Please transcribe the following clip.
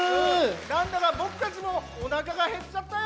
なんだかぼくたちもおなかがへっちゃったよ。